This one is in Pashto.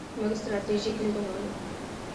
موږ ستراتیژیک لید غواړو.